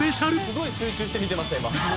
すごい集中して見てました今。